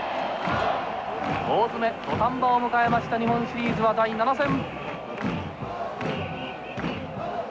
大詰め土壇場を迎えました日本シリーズは第７戦。